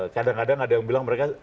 kadang kadang ada yang bilang mereka